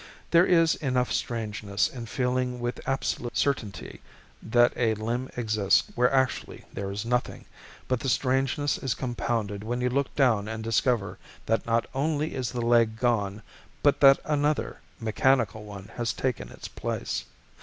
There is enough strangeness in feeling with absolute certainty that a limb exists where actually there is nothing, but the strangeness is compounded when you look down and discover that not only is the leg gone but that another, mechanical one has taken its place.